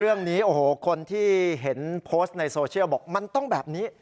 เรื่องนี้โอ้โหคนที่เห็นโพสต์ในโซเชียลบอกมันต้องแบบนี้